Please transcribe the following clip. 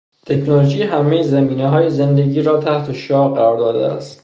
تکنولوژی همهی زمینههای زندگی را تحتالشعاع قرار داده است.